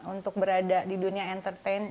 untuk berada di dunia entertain